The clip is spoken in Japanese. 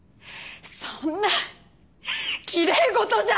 そんなきれい事じゃ！